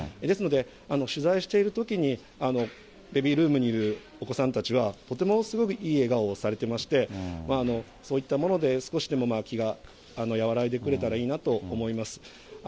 ですので、取材しているときに、ベビールームにいるお子さんたちは、とてもいい笑顔をされてまして、そういったもので少しでも気が和らいでくれたらいいなと思います。